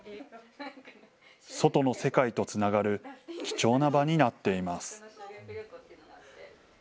外の世界とつながる貴重な場になっています。